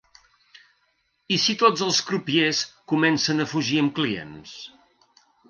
I si tots els crupiers comencen a fugir amb clients?